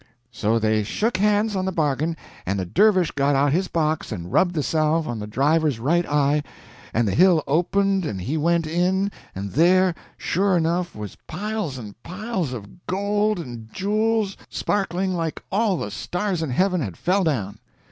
So they shook hands on the bargain, and the dervish got out his box and rubbed the salve on the driver's right eye, and the hill opened and he went in, and there, sure enough, was piles and piles of gold and jewels sparkling like all the stars in heaven had fell down.